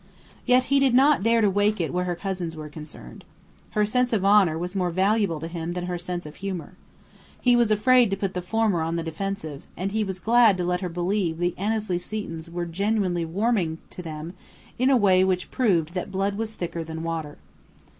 Yet he did not dare wake it where her cousins were concerned. Her sense of honour was more valuable to him than her sense of humour. He was afraid to put the former on the defensive, and he was glad to let her believe the Annesley Setons were genuinely "warming" to them in a way which proved that blood was thicker than water.